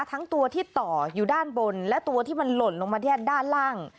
ทั้งตัวที่ต่ออยู่ด้านบนและตัวที่มันหล่นลงมาที่ด้านล่าง